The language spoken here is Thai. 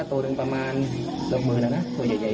พอค่อยมาต่อลองราคากันได้